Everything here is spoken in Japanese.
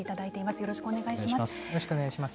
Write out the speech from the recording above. よろしくお願いします。